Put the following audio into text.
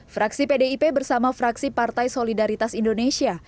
fraksi pdip bersama fraksi partai solidaritas indonesia